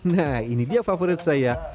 nah ini dia favorit saya